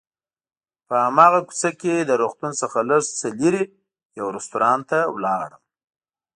په هماغه کوڅه کې له روغتون څخه لږ څه لرې یو رستورانت ته ولاړم.